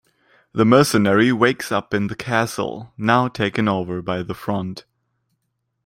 The mercenary wakes up in the castle, now taken over by the Front.